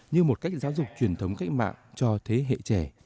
như một cách giáo dục truyền thống cách mạng cho thế hệ trẻ